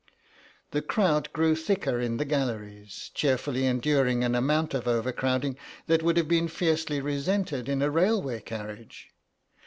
The crowd grew thicker in the galleries, cheerfully enduring an amount of overcrowding that would have been fiercely resented in a railway carriage.